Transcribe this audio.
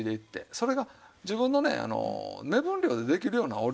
それが自分のね目分量でできるようなお料理